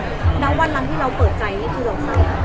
มันเหมือนเก็บประทานขนาดของเราใช่ไหม